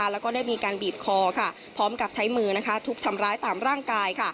แล้วก็ได้มีการบีบคอพร้อมกับใช้มือทุบทำร้ายตามร่างกาย